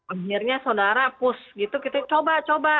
akhirnya saudara push gitu kita coba coba